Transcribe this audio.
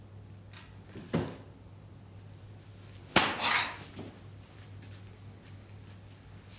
ほら。